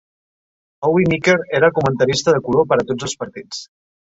Howie Meeker era el comentarista de color per a tots els partits.